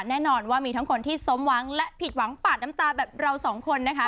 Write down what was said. แน่นอนว่ามีทั้งคนที่สมหวังและผิดหวังปาดน้ำตาแบบเราสองคนนะคะ